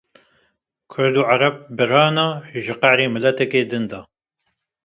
Kurd û Arab birin e. ji qehrê miltekê din de.